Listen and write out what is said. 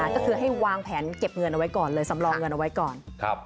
ก็คือให้วางแผนเก็บเงินเอาไว้ก่อนเลยสำรองเงินเอาไว้ก่อน